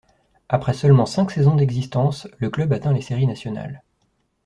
Après seulement cinq saisons d'existence, le club atteint les séries nationales.